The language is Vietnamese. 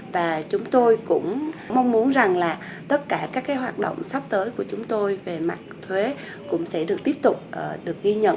và chúng tôi cũng mong muốn rằng là tất cả các hoạt động sắp tới của chúng tôi về mặt thuế cũng sẽ được tiếp tục được ghi nhận